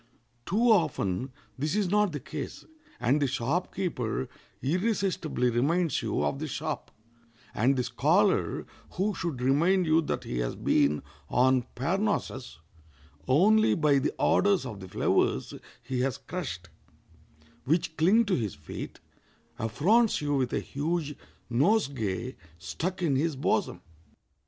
Too often this is not the case, and the shop keeper irresistibly reminds you of the shop, and the scholar, who should remind you that he has been on Parnassus only by the odors of the flowers he has crushed, which cling to his feet, affronts you with a huge nosegay stuck in his bosom.